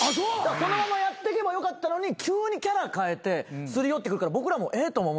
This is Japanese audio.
そのままやってけばよかったのに急にキャラ変えてすり寄ってくるから僕らも「えっ」とも思うし